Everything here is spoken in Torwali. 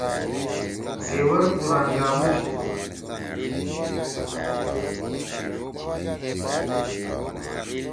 زیور پُران گاموش تُھو۔